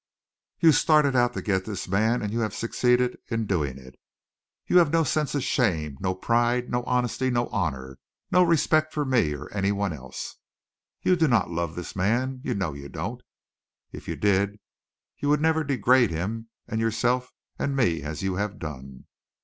You started out to get this man and you have succeeded in doing it. You have no sense of shame, no pride, no honesty, no honor, no respect for me or anyone else. You do not love this man. You know you don't. If you did you would never degrade him and yourself and me as you have done.